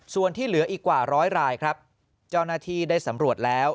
ส่วนที่เหลืออีกกว่าร้อยรายครับเจ้าหน้าที่ได้สำรวจแล้ว